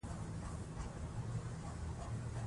په شونډو یې سپېرې خاوې پرتې وې.